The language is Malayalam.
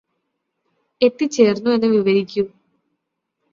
എത്തിച്ചേർന്നു എന്ന് വിവരിക്കൂ